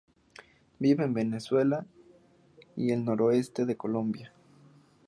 Vive en Venezuela y en el nordeste de Colombia.